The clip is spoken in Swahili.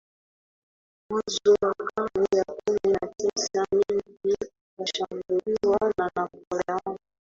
Mwanzo wa karne ya kumi na tisa milki ikashambuliwa na Napoleon